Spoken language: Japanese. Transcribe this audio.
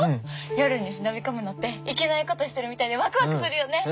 夜に忍び込むのっていけないことしてるみたいでワクワクするよね！